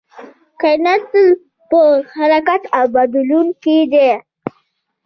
کائنات تل په حرکت او بدلون کې دی